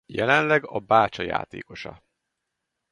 Jelenleg a Bácsa játékosa.